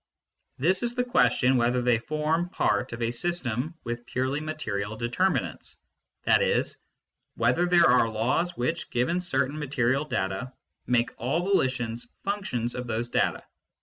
This is the question whether they form part of a system with purely material determinants, i.e. whether there are laws which, given certain material data, make all volitions functions of those data.